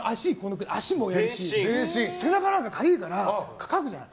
足もやるし背中なんかかゆいからかくじゃない。